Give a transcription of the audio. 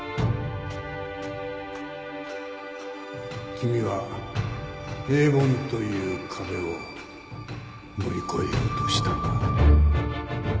君は平凡という壁を乗り越えようとしたか？